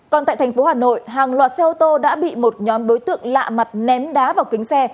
còn tại tp hcm hàng loạt xe ô tô đã bị một nhóm đối tượng lạ mặt ném đá vào kính xe